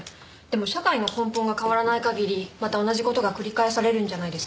でも社会の根本が変わらない限りまた同じ事が繰り返されるんじゃないですかね。